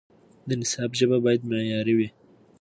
د نصاب ژبه باید معیاري وي.